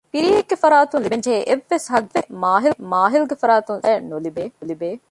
ފިރިއެއްގެ ފަރާތުން ލިބެންޖެހޭ އެއްވެސް ހައްގެއް މާހިލްގެ ފަރާތުން ސަޖާއަށް ނުލިބޭ